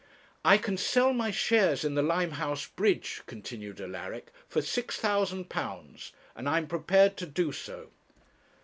'I can sell my shares in the Limehouse bridge,' continued Alaric, 'for £6,000, and I am prepared to do so.'